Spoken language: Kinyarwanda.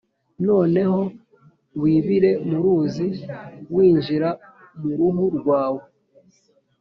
noneho wibire mu ruzi rwinjira mu ruhu rwawe,